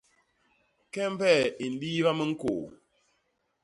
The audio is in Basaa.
Kembe i nliiba miñkôô.